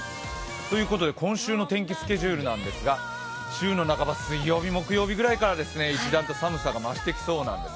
ということで今週の天気スケジュールなんですが、週の半ば水曜日、木曜日くらいから一段と寒さが増してきそうです。